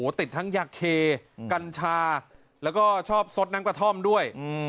ติดทั้งยาเคกัญชาแล้วก็ชอบสดน้ำกระท่อมด้วย